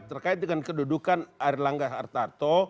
terkait dengan kedudukan erlangga hartarto